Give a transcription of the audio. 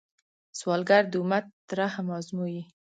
سوالګر د امت رحم ازمويي